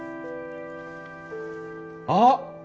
あっ！